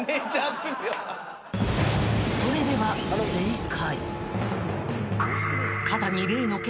［それでは正解］